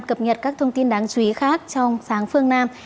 cập nhật các thông tin đáng chú ý khác trong sáng phương nam